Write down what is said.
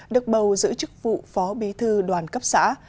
được bầu giữ chức vụ phó bí thư đoàn cấp xã